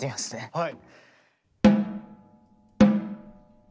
はい。